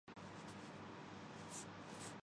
کنگنا رناوٹ کبڈی کے اکھاڑے میں اتریں گی